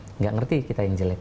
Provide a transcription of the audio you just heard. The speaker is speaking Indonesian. tidak mengerti kita yang jelek